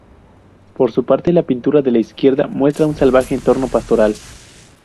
Por su parte, la pintura de la izquierda muestra un salvaje entorno pastoral.